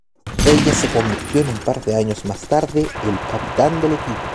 Ella se convirtió en un par de años más tarde, el capitán del equipo.